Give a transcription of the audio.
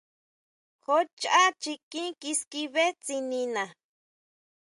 Jo chʼá chikí kiskibé tsinina.